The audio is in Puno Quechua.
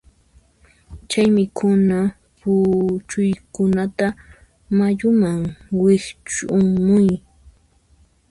Chay mikhuna puchuykunata mayuman wiqch'umuy.